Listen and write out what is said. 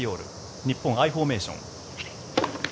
日本、アイフォーメーション。